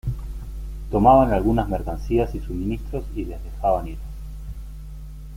Tomaban algunas mercancías y suministros y les dejaban ir.